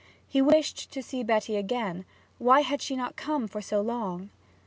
He wished to see Betty again: why had she not come for so long?